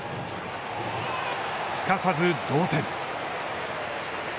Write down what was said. すかさず同点。